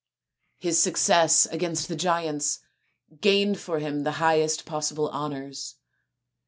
His success against the giants gained for him the highest possible honours.